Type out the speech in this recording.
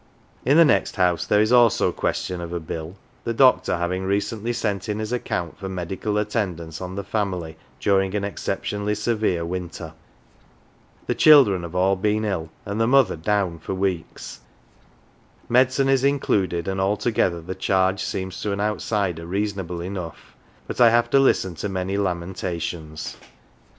In the next house there is also question of a bill, the doctor having recently sent in his account for medical 223 HERE AND THERE attendance on the family during an exceptionally severe winter. The children have all been ill, and the mother " down " for weeks ; medicine is included, and altogether the charge seems to an outsider reasonable enough, but I have to listen to many lamentations.